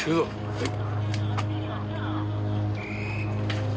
はい。